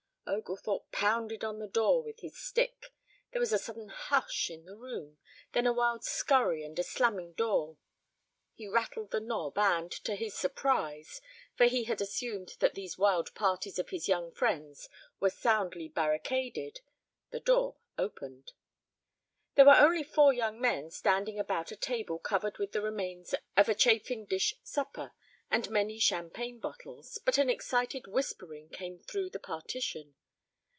Oglethorpe pounded on the door with his stick. There was a sudden hush in the room, then a wild scurry and a slamming door. He rattled the knob and, to his surprise, for he had assumed that these wild parties of his young friends were soundly barricaded, the door opened. There were only four young men standing about a table covered with the remains of a chafing dish supper and many champagne bottles, but an excited whispering came through the partition.